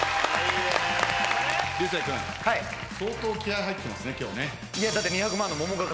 流星君相当気合入ってますね今日ね。